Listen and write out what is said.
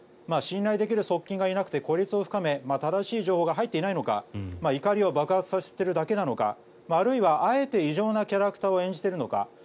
信頼できる側近がいなくて孤立を深め正しい情報が入ってこないのか怒りを爆発させているだけなのかあるいはあえて異常なキャラクターを演じているのか。